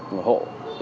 ba mươi người hộ